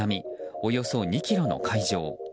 およそ２ｋｍの海上。